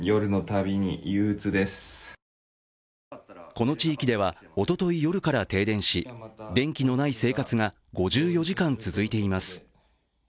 この地域ではおととい夜から停電し電気のない生活が５４時間続いています。